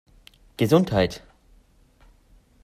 Gesundheit!